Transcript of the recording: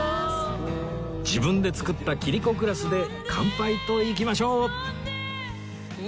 自分で作った切子グラスで乾杯といきましょう